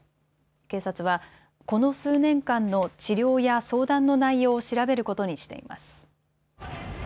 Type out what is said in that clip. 警察はこの数年間の治療や相談の内容を調べることにしています。